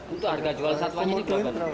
untuk harga jual satwanya ini berapa